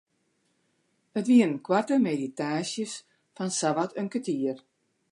It wiene koarte meditaasjes fan sawat in kertier.